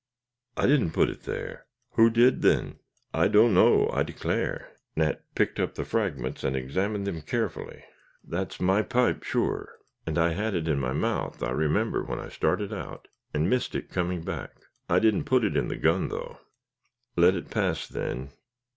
"I didn't put it there." "Who did, then?" "I don't know, I declare." Nat picked up the fragments and examined them carefully. "That's my pipe sure; and I had it in my mouth, I remember when I started out, and missed it coming back. I didn't put it in the gun though." "Let it pass then.